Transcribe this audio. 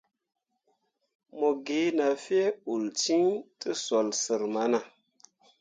Mo ge na fyee uul ciŋ tǝsoole sər mana.